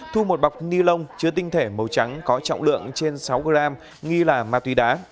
thu một bọc ni lông chứa tinh thể màu trắng có trọng lượng trên sáu gram nghi là ma túy đá